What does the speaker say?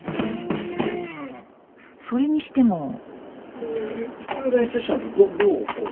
それにしても。